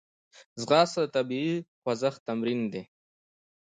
ځغاسته د طبیعي خوځښت تمرین دی